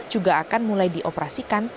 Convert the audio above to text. juga akan mulai dioperasikan